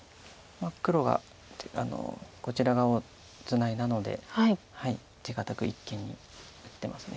黒がこちら側をツナいだので手堅く一間に打ってます。